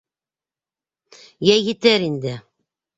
— Йә, етер инде.